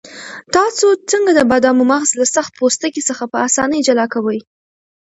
تاسو څنګه د بادامو مغز له سخت پوستکي څخه په اسانۍ جلا کوئ؟